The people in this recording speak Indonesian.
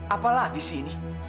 apa lagi sih ini